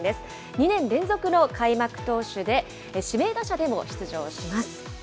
２年連続の開幕投手で、指名打者でも出場します。